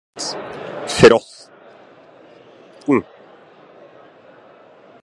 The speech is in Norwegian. frosten